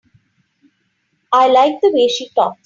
I like the way she talks.